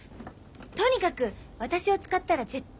とにかく私を使ったら絶対に得です。